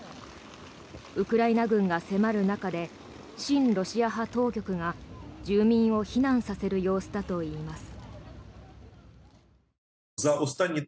ウクライナ軍が迫る中で親ロシア派当局が住民を避難させる様子だといいます。